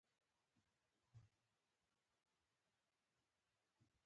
ازادي راډیو د مالي پالیسي په اړه د خلکو احساسات شریک کړي.